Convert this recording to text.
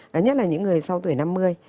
đó nhất là những người sau tuổi năm mươi